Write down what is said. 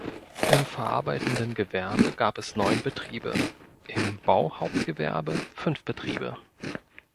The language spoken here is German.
Im verarbeitenden Gewerbe gab es neun Betriebe, im Bauhauptgewerbe fünf Betriebe.